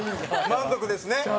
満足ですね。